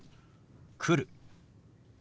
「来る」。